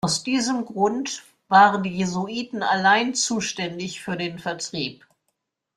Aus diesem Grund waren die Jesuiten allein zuständig für den Vertrieb.